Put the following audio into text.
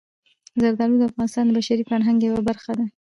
زردالو د افغانستان د بشري فرهنګ یوه برخه ده.